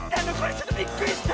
ちょっとびっくりした！